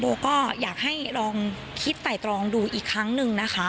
ก็อยากให้ลองคิดไต่ตรองดูอีกครั้งหนึ่งนะคะ